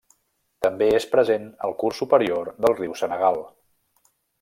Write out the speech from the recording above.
També és present al curs superior del riu Senegal.